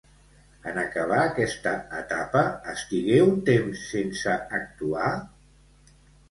En acabar aquesta etapa, estigué un temps sense actuar?